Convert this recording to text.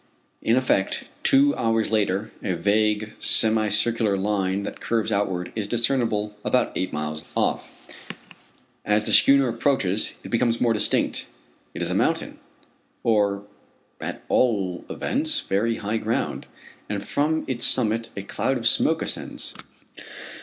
In effect, two hours later a vague semicircular line that curves outward is discernible about eight miles off. As the schooner approaches it becomes more distinct. It is a mountain, or at all events very high ground, and from its summit a cloud of smoke ascends.